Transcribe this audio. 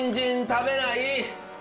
食べない！